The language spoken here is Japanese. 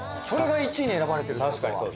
それが１位に選ばれてるってことは。